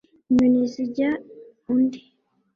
inyoni zijya undi